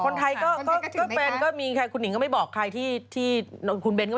คนไทยก็เป็นก็มีค่ะคุณหนิงก็ไม่บอกใครที่คุณเบนก็ไม่บอกใคร